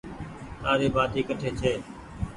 تآري ٻآٽي ڪٽي ڇي۔